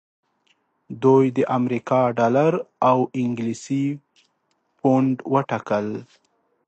دوی د امریکا ډالر او انګلیسي پونډ وټاکل.